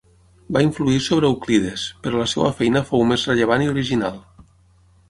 Va influir sobre Euclides, però la seva feina fou més rellevant i original.